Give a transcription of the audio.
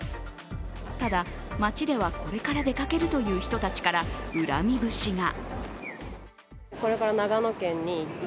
ただ街では、これから出かけるという人たちから恨み節が。